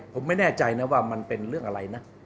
ผมไม่แน่ใจนะว่ามันเป็นเรื่องอะไรนะ